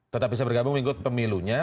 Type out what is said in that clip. tetap bisa bergabung mengikuti pemilunya